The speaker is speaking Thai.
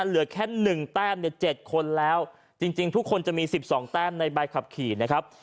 เหลือแค่หนึ่งแต้มเนี่ยเจ็ดคนแล้วจริงจริงทุกคนจะมีสิบสองแต้มในใบขับขี่นะครับ